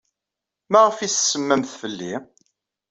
Maɣef ay as-tsemmamt fell-i?